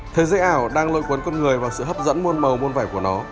thế giới ảo đang lội quấn con người vào sự hấp dẫn môn màu môn vải của nó